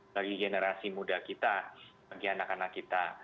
bagi generasi muda kita bagi anak anak kita